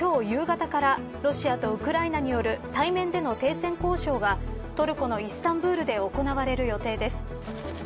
夕方からロシアとウクライナによる対面での停戦交渉がトルコのイスタンブールで行われる予定です。